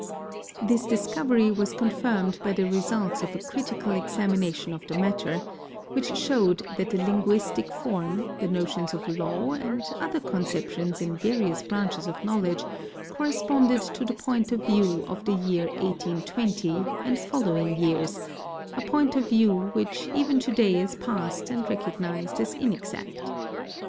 This discovery | was confirmed by the results of a critical examination of the matter, which showed that the linguistic form, the notions of law, and other conceptions in various branches of knowledge, corresponded to the point — of view of the year 1820 and following years—a point of view which ~ even to day is past and recognised as inexact.